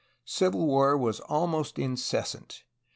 Civil war was almost incessant.